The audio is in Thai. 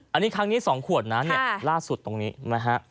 อันนี้ครั้งนี้๒ขวดนะเนี่ยล่าสุดตรงนี้นะฮะ